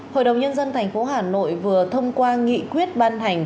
hội đồng nhân dân thành phố hà nội vừa thông qua nghị quyết ban hành